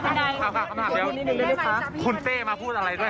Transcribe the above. ทะเลาะหลักกันไปป่าน